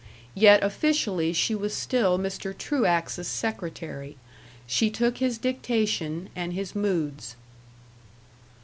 Yet officially she was still Mr. Truax's secretary; she took his dictation and his moods.